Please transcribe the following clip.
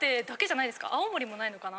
青森もないのかな？